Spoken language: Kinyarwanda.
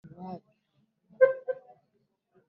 Wa munsi baraza Bigaba bigamba Bigabiza ab’iwacu!